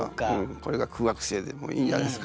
これが苦学生でいいんじゃないですか。